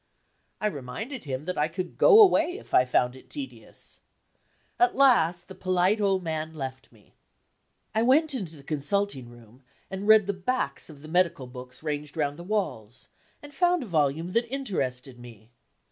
I reminded him that I could go away if I found it tedious. At last, the polite old man left me. I went into the consulting room, and read the backs of the medical books ranged round the walls, and found a volume that interested me.